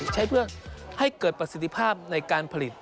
ใช้เพื่อให้เกิดประสิทธิภาพในการผลิต